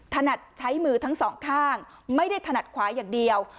นัดใช้มือทั้งสองข้างไม่ได้ถนัดขวาอย่างเดียว